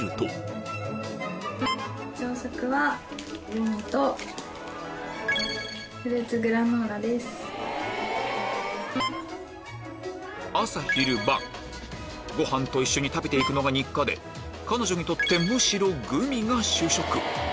これまで一日の朝昼晩ごはんと一緒に食べて行くのが日課で彼女にとってむしろグミが主食